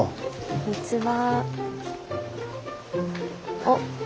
こんにちは。